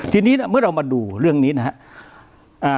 ทีนี้มันมาดูเรื่องนี้นะฮะ